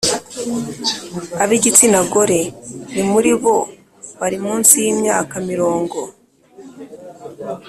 Ab igitsina gore ni muri bo bari munsi y imyaka mirongo